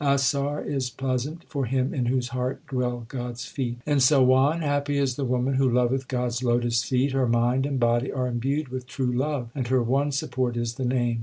Asarh is pleasant for him in whose heart dwell God s feet. In Sawan happy is the woman who loveth God s lotus feet. Her mind and body are imbued with true love, and her one support is the Name.